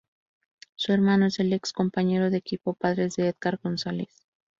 Su hermano es el ex compañero de equipo Padres de Edgar González.